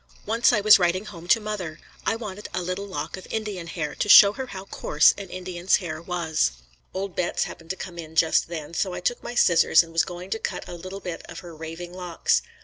Once I was writing home to mother. I wanted a little lock of Indian hair to show her how coarse an Indian's hair was. Old Betts happened to come in just then, so I took my scissors and was going to cut a little bit of her "raving locks."